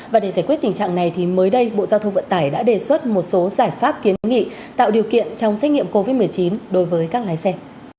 và để giải quyết tình trạng này mới đây bộ giao thông vận tải đã đề xuất một số giải pháp kiến nghị tạo điều kiện trong xét nghiệm covid một mươi chín đối với các lái xe